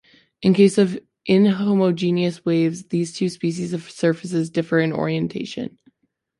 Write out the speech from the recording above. In case of inhomogeneous waves, these two species of surfaces differ in orientation.